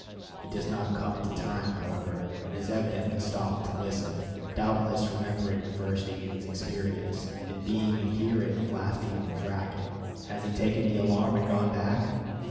He does not come to time, however, and has evidently stopped to listen; doubtless remembering the first evening's experience, and being in hearing of last evening's racket. Has he taken the alarm and gone back?